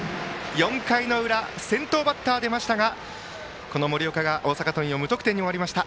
４回の裏先頭バッターが出ましたが大阪桐蔭、無得点に終わりました。